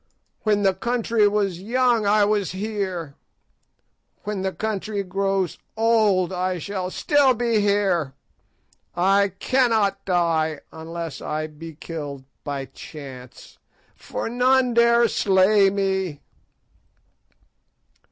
When the country was young I was here; when the country grows old I shall still be here. I cannot die unless I be killed by chance, for none dare slay me."